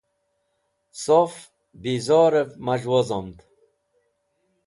saf bizor'ev maz̃h wozomd